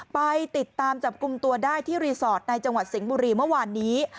ไปติดตามจับกลุ่มตัวได้ที่รีสอร์ทในจังหวัดสิงห์บุรีเมื่อวานนี้